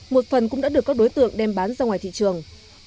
một phần cũng đã được các đối tượng đem bán ra ngoài thị trường